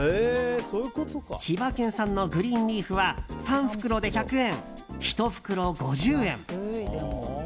千葉県産のグリーンリーフは３袋で１００円、１袋５０円。